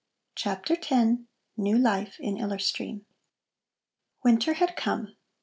CHAPTER X NEW LIFE IN ILLER STREAM Winter had come.